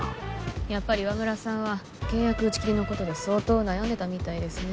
やっぱり岩村さんは契約打ち切りのことで相当悩んでたみたいですね